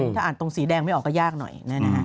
ถ้าอ่านตรงสีแดงไม่ออกก็ยากหน่อย